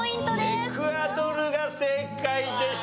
エクアドルが正解でした。